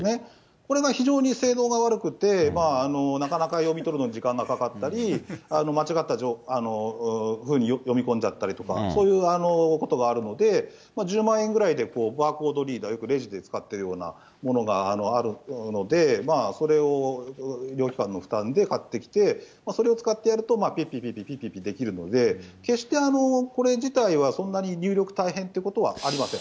これが非常に性能が悪くて、なかなか読み取るのに時間がかかったり、間違ったふうに読み込んじゃったりとか、そういうことがあるので、１０万円ぐらいでバーコードリーダー、よくレジで使ってるようなものがあるので、それを医療機関の負担で買ってきて、それを使ってやると、ぴっぴっぴっぴっ、ぴっぴっぴっぴっできるので、決してこれ自体はそんなに入力大変ということはありません。